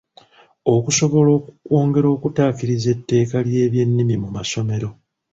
Okusobola okwongera okukkatiriza etteeka ly'ebyennimi mu masomero.